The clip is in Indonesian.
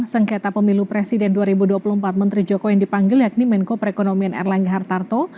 sengketa pemilu presiden dua ribu dua puluh empat menteri jokowi yang dipanggil yakni menko perekonomian erlangga hartarto